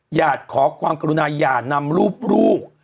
หญาติขอความกรุณาหญาตินำรูปลูก